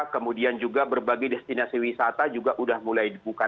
kemudian juga berbagai destinasi wisata juga sudah mulai dibuka